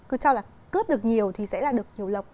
cứ cho là cướp được nhiều thì sẽ được nhiều